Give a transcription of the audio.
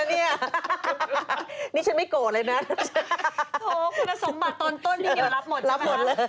เดี๋ยวรับหมดใช่ไหมครับ